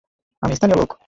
আমি স্থানীয় লোক!